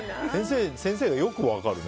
先生もよく分かるね。